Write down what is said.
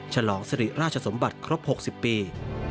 ฉลองสริราชสมบัติครบ๖๐ปี